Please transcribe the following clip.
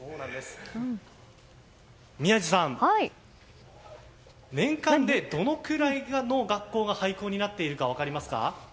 宮司さん年間でどのくらいの学校が廃校になっているか分かりますか？